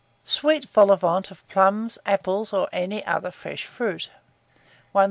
SWEET VOL AU VENT OF PLUMS, APPLES, OR ANY OTHER FRESH FRUIT. 1380.